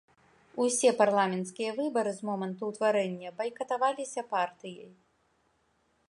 Усе парламенцкія выбары з моманту ўтварэння байкатаваліся партыяй.